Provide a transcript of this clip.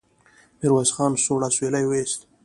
ميرويس خان سوړ اسويلی وايست.